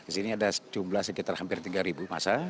di sini ada jumlah sekitar hampir tiga masa